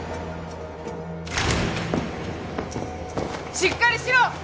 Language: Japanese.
・しっかりしろ！